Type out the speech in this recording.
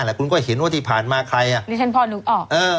แหละคุณก็เห็นว่าที่ผ่านมาใครน่ะอื้อ